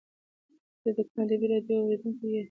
ایا ته د کوم ادبي راډیو اورېدونکی یې؟